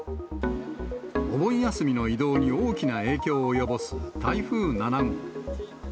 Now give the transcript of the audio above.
お盆休みの移動に大きな影響を及ぼす台風７号。